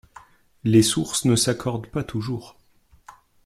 Les sources ne s'accordent pas toujours.